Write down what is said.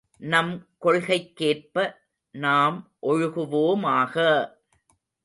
நம் கொள்கைக்கேற்ப நாம் ஒழுகுவோமாக!